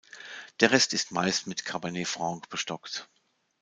Der Rest ist meist mit Cabernet Franc bestockt.